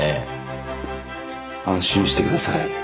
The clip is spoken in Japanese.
安心してください。